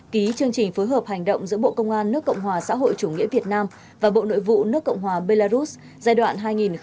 ký chương trình phối hợp hành động giữa bộ công an nước cộng hòa xã hội chủ nghĩa việt nam và bộ nội vụ nước cộng hòa belarus giai đoạn hai nghìn một mươi tám hai nghìn hai mươi